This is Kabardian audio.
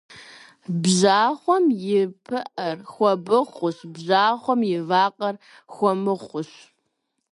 Бжьахъуэм и пыӏэр хуэбыхъущ, бжьахъуэм и вакъэр хуэмыхъущ.